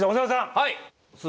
はい！